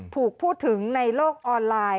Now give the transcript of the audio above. ถูกพูดถึงในโลกออนไลน์